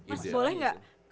mas boleh gak